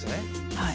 はい。